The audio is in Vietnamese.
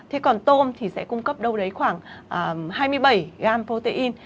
thế còn tôm thì sẽ cung cấp đâu đấy khoảng hai mươi bảy gram protein